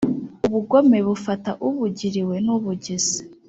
ubugome bufata ubugiriwe n’ubugize.